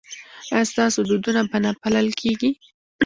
ایا ستاسو دودونه به نه پالل کیږي؟